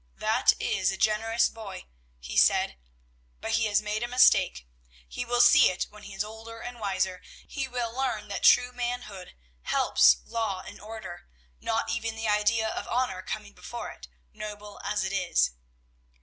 "That is a generous boy!" he said; "but he has made a mistake. He will see it when he is older and wiser. He will learn that true manhood helps law and order, not even the idea of honor coming before it, noble as it is."